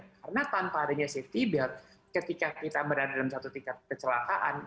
karena tanpa adanya safety belt ketika kita berada dalam satu tingkat kecelakaan